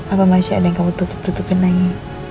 apa masih ada yang kamu tutup tutupin lagi